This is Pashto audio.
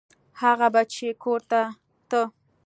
هغه به چې کور ته ته.